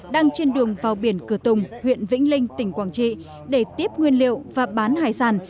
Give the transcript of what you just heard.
đang trên đường vào biển cửa tùng huyện vĩnh linh tỉnh quảng trị để tiếp nguyên liệu và bán hải sản